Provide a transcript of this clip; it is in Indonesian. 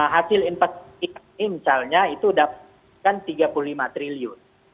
hasil investasi kami misalnya itu dapatkan tiga puluh lima triliun